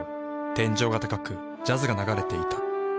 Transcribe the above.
天井が高くジャズが流れていた。